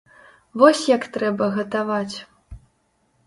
Вось як трэба гатаваць!